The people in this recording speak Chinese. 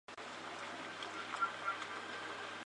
米沃斯瓦夫是波兰的一座城市。